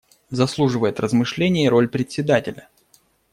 Заслуживает размышления и роль Председателя.